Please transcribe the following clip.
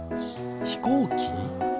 ひこうき？